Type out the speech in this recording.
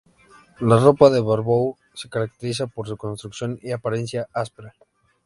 La ropa de Barbour se caracteriza por su construcción y apariencia áspera.